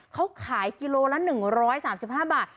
เขาขายกิโลละ๑๓๕บาท